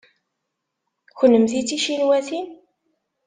Kennemti d ticinwatin?